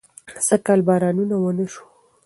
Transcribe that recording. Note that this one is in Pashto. سږکال بارانونه ونه شو